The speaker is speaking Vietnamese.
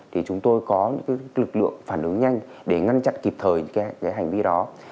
thì chúng tôi có những lực lượng phản ứng nhanh để ngăn chặn kịp thời những hành vi đó